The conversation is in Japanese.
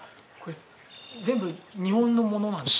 全部、日本のものなんですか？